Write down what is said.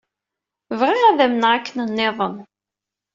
Bɣiɣ ad amneɣ akken nniḍen.